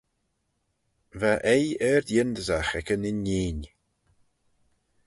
Va eie ard-yindyssagh ec yn inneen.